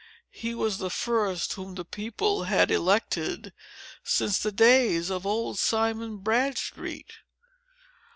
He was the first whom the people had elected, since the days of old Simon Bradstreet."